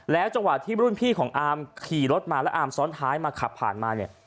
จังหวะที่รุ่นพี่ของอาร์มขี่รถมาแล้วอามซ้อนท้ายมาขับผ่านมาเนี่ย